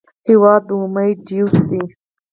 هېواد د امید ډیوټ دی.